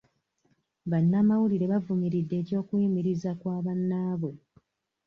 Bannamawulire bavumiridde eky'okuyimiriza kwa bannaabwe.